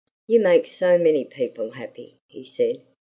"You make so many people happy," he said.